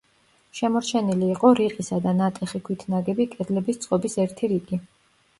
შემორჩენილი იყო რიყისა და ნატეხი ქვით ნაგები კედლების წყობის ერთი რიგი.